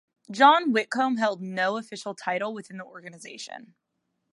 John Whitcomb held no official title within the organization.